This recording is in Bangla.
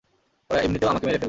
ওরা এমনিতেও আমাকে মেরে ফেলবে।